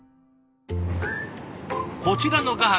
こちらの画伯